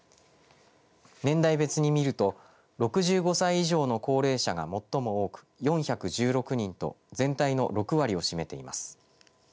年代別に見ると６５歳以上の高齢者が最も多く４１６人と全体の６割を占めています。